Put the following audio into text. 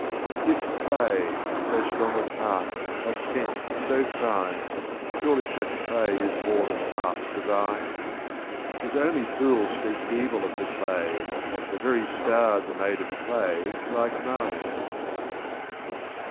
This clay, so strong of heart, of sense so fine, Surely such clay is more than half divine — '^'7.'Tis only fools speak evil of the clay. The very stars are made of clay like mine.